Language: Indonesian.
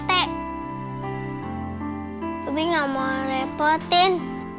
tapi gak mau repotin